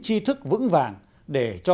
chi thức vững vàng để cho